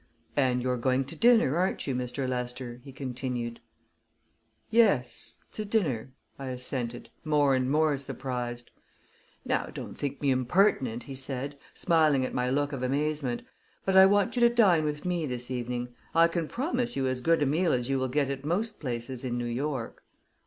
"And you're going to dinner, aren't you, Mr. Lester?" he continued. "Yes to dinner," I assented, more and more surprised. "Now, don't think me impertinent," he said, smiling at my look of amazement, "but I want you to dine with me this evening. I can promise you as good a meal as you will get at most places in New York."